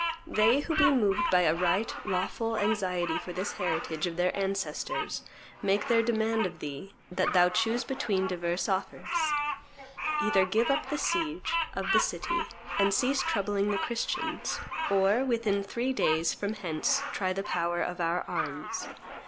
They who be moved by a right lawful anxiety for this heritage of their ancestors make their demand of thee that thou choose between divers offers: either give up the siege of the city, and cease troubling the Christians, or, within three days from hence, try the power of our arms.